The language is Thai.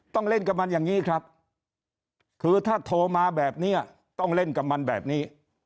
เล่นกับมันอย่างนี้ครับคือถ้าโทรมาแบบนี้ต้องเล่นกับมันแบบนี้